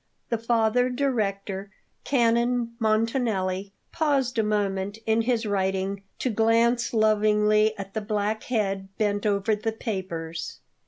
The Father Director, Canon Montanelli, paused a moment in his writing to glance lovingly at the black head bent over the papers.